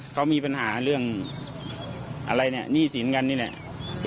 เขามีปัญหาเรื่องอะไรเนี่ยหนี้สินกันนี่แหละ